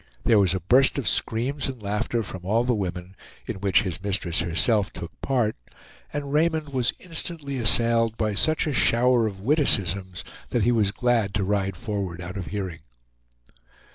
There was a burst of screams and laughter from all the women, in which his mistress herself took part, and Raymond was instantly assailed by such a shower of witticisms, that he was glad to ride forward out of hearing.